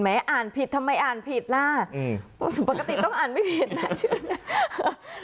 อ่านผิดทำไมอ่านผิดล่ะปกติต้องอ่านไม่ผิดนะชื่อนี้